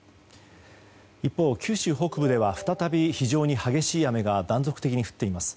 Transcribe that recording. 一方、九州北部では非常に激しい雨が再び断続的に降っています。